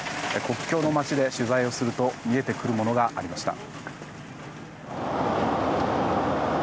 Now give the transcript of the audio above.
国境の街で取材をすると見えてくるものがありました。